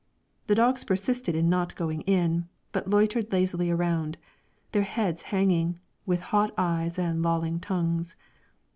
The dogs persisted in not going in; but loitered lazily around, their heads hanging, with hot eyes and lolling tongues.